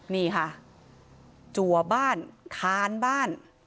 นี่ค่ะจัวบ้านคานบ้าน